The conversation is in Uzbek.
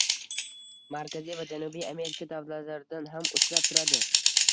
Markaziy va Janubiy Amerika davlatlarida ham uchrab turadi.